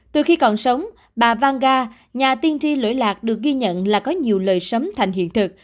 từ khi còn sống bà vanga nhà tiên tri lưỡi lạc được ghi nhận là có nhiều lời sấm thành hiện thực